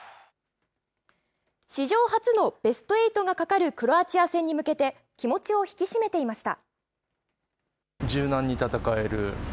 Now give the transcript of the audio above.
史上初のベストエイトがかかるクロアチア戦に向けて、気持ちを引き締めていました。